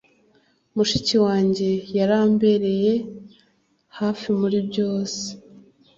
mushiki wanjye yarambereye hafi muri byose